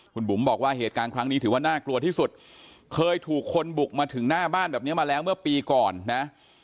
คุณบุ๋มบอกว่าเหตุการณ์ครั้งนี้ถือว่าน่ากลัวที่สุดเคยถูกคนบุกมาถึงหน้าบ้านแบบนี้มาแล้วเมื่อปีก่อนนะ